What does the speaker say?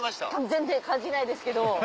全然感じないですけど。